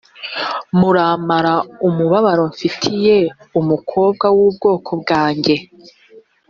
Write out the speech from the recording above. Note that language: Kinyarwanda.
muramara umubabaro mfitiye umukobwa w’ubwoko bwanjye